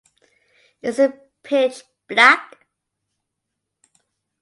Is it pitch black?